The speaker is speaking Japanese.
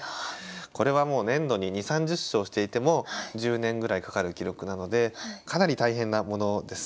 これはもう年度に２０３０勝していても１０年ぐらいかかる記録なのでかなり大変なものです。